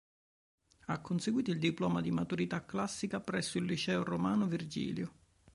Ha conseguito il diploma di maturità classica presso il liceo romano Virgilio.